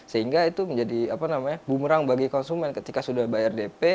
sehingga itu menjadi bumerang bagi konsumen ketika sudah bayar dp